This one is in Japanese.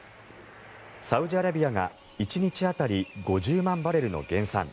サウジアラビアが１日当たり５０万バレルの減産